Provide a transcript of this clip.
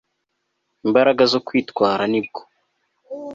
imbaraga zo kwitwara nibwo